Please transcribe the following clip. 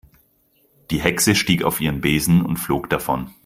Die Hexe stieg auf ihren Besen und flog davon.